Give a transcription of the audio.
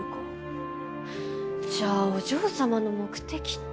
じゃあお嬢様の目的って？